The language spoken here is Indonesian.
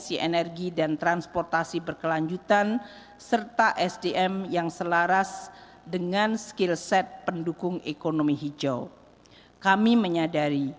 pertumbuhan berkualitas dan berkelanjutan perlu ditingkatkan dengan mengembangkan ekonomi hijau dan transformasi